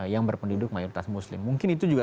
yang berpenduduk mayoritas muslim mungkin itu juga